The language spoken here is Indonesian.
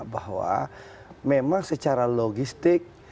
bahwa memang secara logistik